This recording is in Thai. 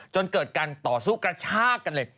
จนเกิดการต่อสู้กระชากกันเลย